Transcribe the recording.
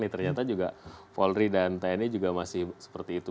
ternyata juga polri dan tni juga masih seperti itu